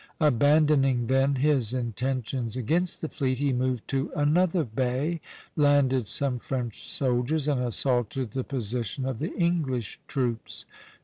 Abandoning then his intentions against the fleet, he moved to another bay, landed some French soldiers, and assaulted the position of the English troops.